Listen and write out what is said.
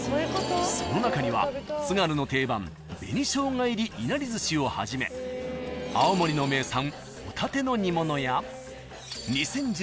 ［その中には津軽の定番紅しょうが入りいなりずしをはじめ青森の名産ホタテの煮物や２０１４年